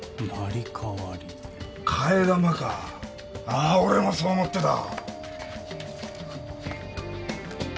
あっ俺もそう思ってた。